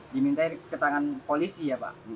diminta ke tangan polisi ya pak